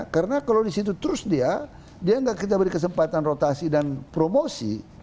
karena kalau di situ terus dia dia nggak bisa beri kesempatan rotasi dan promosi